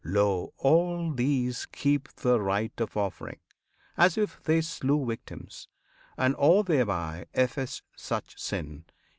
Lo! all these keep The rite of offering, as if they slew Victims; and all thereby efface much sin.